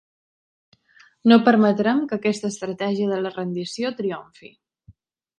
No permetrem que aquesta estratègia de la rendició triomfi.